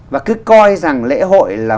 và cứ coi rằng lễ hội là